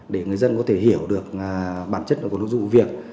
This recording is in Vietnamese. để người dân có thể hiểu được bản chất của nội dung vụ việc